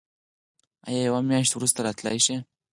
ایا یوه میاشت وروسته راتلی شئ؟